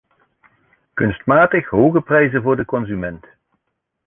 Kunstmatig hoge prijzen voor de consument.